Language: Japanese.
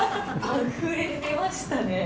あふれ出ましたね。